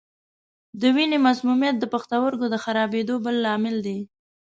د وینې مسمومیت د پښتورګو د خرابېدو بل لامل دی.